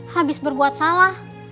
habis berbuat salah